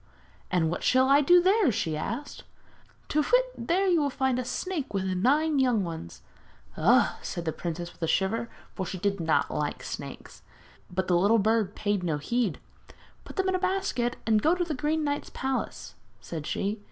'And what shall I do there?' she asked. 'Tu whit! there you will find a snake with nine young ones.' 'Ugh!' answered the princess with a shiver, for she did not like snakes. But the little bird paid no heed. 'Put them in a basket and go to the Green Knight's palace,' said she.